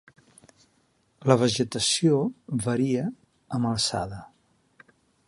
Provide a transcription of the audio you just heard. La vegetació varia amb alçada.